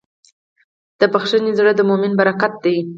د بښنې زړه د مؤمن برکت دی.